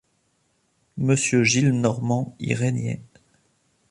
Monsieur Gillenormand y régnait.